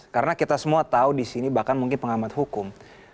karena kita semua tahu di sini bahkan mungkin pengamat hukum